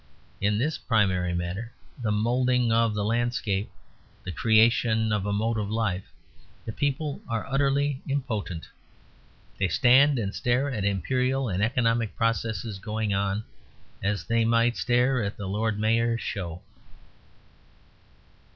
In this primary matter, the moulding of the landscape, the creation of a mode of life, the people are utterly impotent. They stand and stare at imperial and economic processes going on, as they might stare at the Lord Mayor's Show.